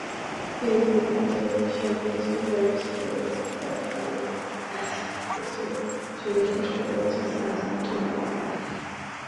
ফেসবুকে নিজের অফিশিয়াল পেজে হেয়ারস্টাইলিস্ট আরিয়েল বারমুদেজের ছবি পোস্ট করেছেন আর্জেন্টিনা অধিনায়ক।